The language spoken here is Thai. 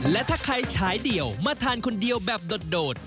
และถ้าใครฉายเดี่ยวมาทานคนเดียวแบบโดด